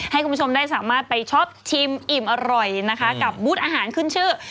ให้คุณผู้ชมได้สามารถไปชอบชิมอิ่มอร่อยนะคะกับบูธอาหารขึ้นชื่อ